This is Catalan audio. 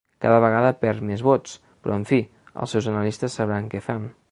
Cada vegada perd més vots, però en fi, els seus analistes sabran què fan.